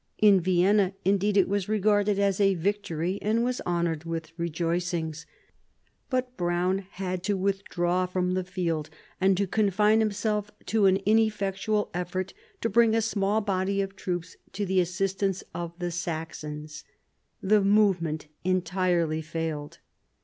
In Vienna, indeed, it was regarded as a victory, and was honoured with rejoicings ; but Browne had to withdraw from the field, and to confine himself to an ineffectual effort to bring a small body of troops to the assistance of the Saxons. The movement entirely failed.